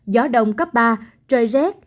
gió đông cấp ba trời rét